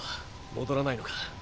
戻らないのか？